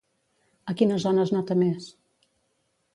A quina zona es nota més?